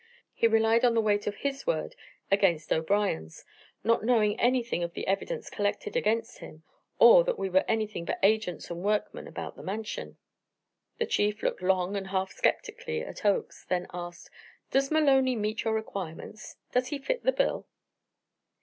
He relied on the weight of his word against O'Brien's, not knowing anything of the evidence collected against him or that we were anything but agents and workmen about the Mansion?" The Chief looked long and half sceptically at Oakes, then asked: "Does Maloney meet your requirements? Does he fill the bill?"